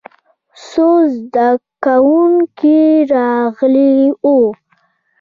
څو زده کوونکي راغلي وو.